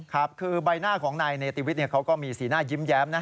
ครับคือใบหน้าของนายเนติวิทย์เขาก็มีสีหน้ายิ้มแย้มนะ